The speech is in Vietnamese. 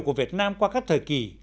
của việt nam qua các thời kỳ